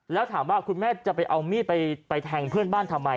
แล้วถามว่าคุณแม่จะไปเอามีดไปแทงเพื่อนบ้านทำไม